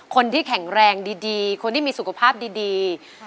คนที่แข็งแรงดีคนที่มีสุขภาพดี